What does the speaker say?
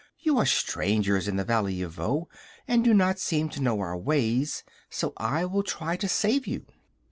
"You are strangers in the Valley of Voe, and do not seem to know our ways; so I will try to save you."